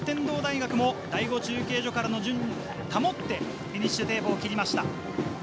第５中継所からの順位を保って、フィニッシュテープを切りました。